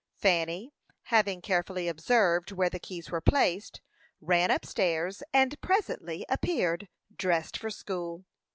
Fanny, having carefully observed where the keys were placed, ran up stairs, and presently appeared, dressed for school.